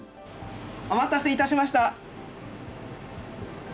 お待たせいたしました。